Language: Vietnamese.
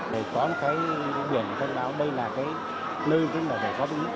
để có một cái biển thân áo đây là cái nơi chúng ta phải có biết